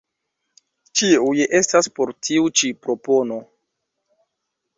Ĉiuj estas por tiu ĉi propono.